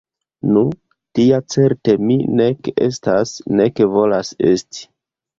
Nu, tia certe mi nek estas, nek volas esti.